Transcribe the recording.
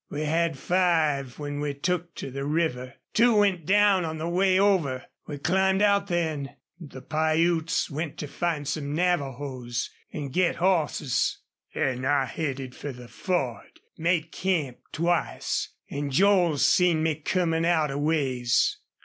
We had five when we took to the river. Two went down on the way over. We climbed out then. The Piutes went to find some Navajos an' get hosses. An' I headed fer the Ford made camp twice. An' Joel seen me comin' out a ways."